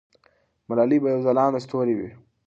ملالۍ به یو ځلانده ستوری وي.